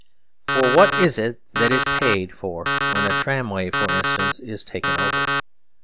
For what is it that is paid for when a tramway, for instance, is taken over